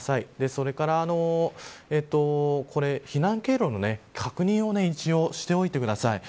それから、避難経路の確認を一応、しておいてください。